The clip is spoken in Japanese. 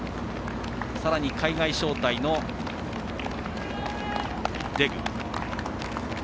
さらに海外招待のデグ。